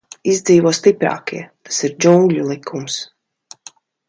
Izdzīvo stiprākie, tas ir džungļu likums.